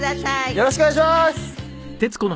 よろしくお願いします。